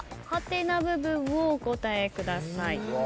部分をお答えください。